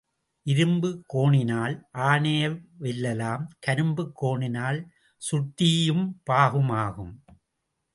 இரும்பு கோணினால் ஆனையை வெல்லலாம் கரும்பு கோணினால் சுட்டியும் பாகும் ஆகும்.